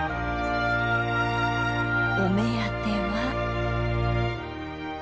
お目当ては。